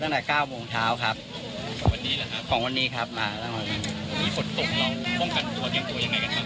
มีฝนตกลงเราป้องกันตัวเตรียมตัวยังไงกันครับ